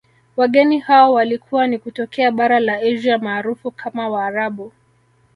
Wageni hao walikuwa ni kutokea bara la Asia maarufu kama waarabu